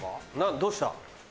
どうした？